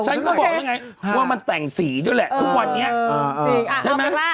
ฉันก็บอกแล้วไงว่ามันแต่งสีด้วยแหละทุกวันนี้ใช่ไหม